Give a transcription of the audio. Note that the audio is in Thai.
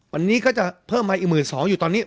วันนี้ก็จะเพิ่มอีก๑๒๐๐๐อยู่ตอนนี้๑๒๐๐๐